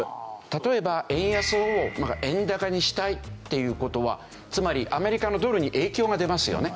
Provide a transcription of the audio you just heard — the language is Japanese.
例えば円安を円高にしたいっていう事はつまりアメリカのドルに影響が出ますよね。